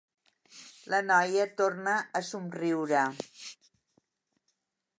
La noia torna a somriure.